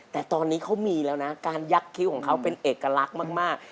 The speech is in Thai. แต่ตอนนี้เขามีแล้วนะการยักษ์คิ้วของเขาเป็นเอกลักษณ์มาก